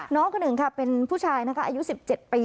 น้องคนหนึ่งค่ะเป็นผู้ชายนะคะอายุ๑๗ปี